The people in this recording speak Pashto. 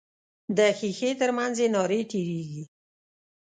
د ښیښې تر منځ یې نارې تیریږي.